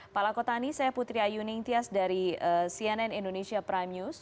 pak lakotani saya putri ayu ningtyas dari cnn indonesia prime news